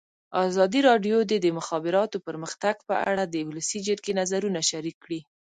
ازادي راډیو د د مخابراتو پرمختګ په اړه د ولسي جرګې نظرونه شریک کړي.